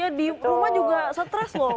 ya di rumah juga stres loh